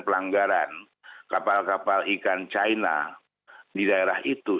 pelanggaran kapal kapal ikan china di daerah itu